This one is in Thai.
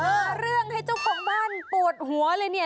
หาเรื่องให้เจ้าของบ้านปวดหัวเลยเนี่ย